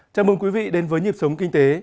chào mừng quý vị đến với nhịp sống kinh tế